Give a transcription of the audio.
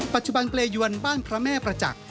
ปัจจุบันเปรยวนบ้านพระแม่ประจักษ์